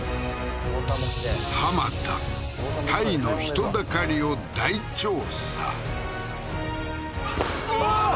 田タイの人だかりを大調査うわー！